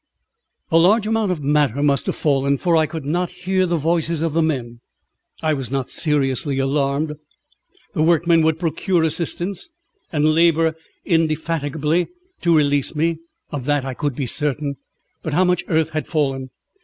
A large amount of matter must have fallen, for I could not hear the voices of the men. I was not seriously alarmed. The workmen would procure assistance and labour indefatigably to release me; of that I could be certain. But how much earth had fallen?